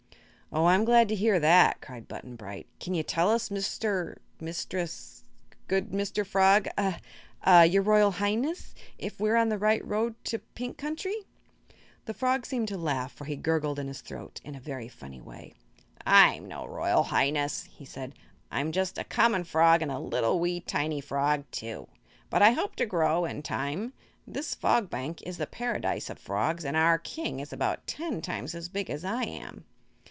"Oh, I'm glad to hear that!" cried Button Bright. "Can you tell us, Mister Mistress good Mr. Frog eh eh your Royal Highness if we're on the right road to the Pink Country?" The frog seemed to laugh, for he gurgled in his throat in a very funny way. "I'm no Royal Highness," he said. "I'm just a common frog; and a little wee tiny frog, too. But I hope to grow, in time. This Fog Bank is the Paradise of Frogs and our King is about ten times as big as I am."